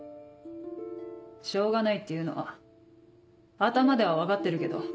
「しょうがない」っていうのは頭では分かってるけど